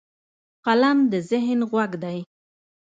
قلم د ذهن غوږ دی